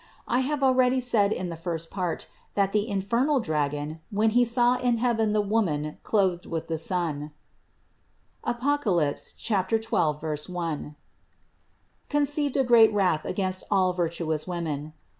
I have already said in the first part that the infernal dragon, when he saw in heaven the woman clothed with the sun (Apoc. 12, 1), conceived a great wrath against all virtuous women.